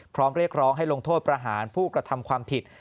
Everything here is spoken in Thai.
เรียกร้องให้ลงโทษประหารผู้กระทำความผิด